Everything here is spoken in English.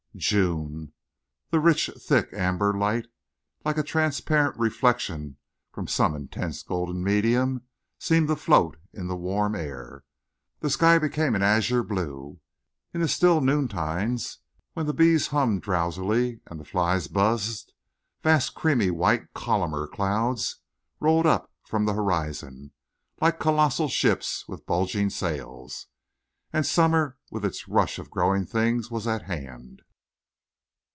June! The rich, thick, amber light, like a transparent reflection from some intense golden medium, seemed to float in the warm air. The sky became an azure blue. In the still noontides, when the bees hummed drowsily and the flies buzzed, vast creamy white columnar clouds rolled up from the horizon, like colossal ships with bulging sails. And summer with its rush of growing things was at hand.